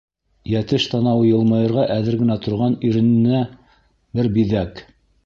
Йәтеш танауы йылмайырға әҙер генә торған ирененә бер биҙәк.